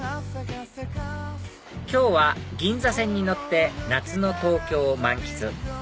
今日は銀座線に乗って夏の東京を満喫